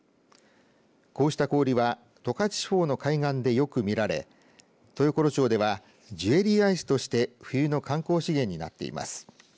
こうした氷は十勝地方の海岸でよく見られ豊頃町ではジュエリーアイスとして冬の観光資源になっています。